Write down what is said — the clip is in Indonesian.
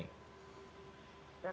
bagaimana pak yani